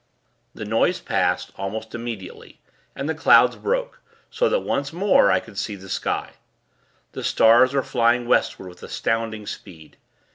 This noise passed, almost immediately, and the clouds broke; so that, once more, I could see the sky. The stars were flying Westward, with astounding speed.